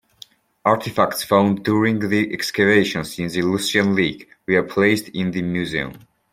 Artifacts found during the excavations in the Lycian League were placed in the museum.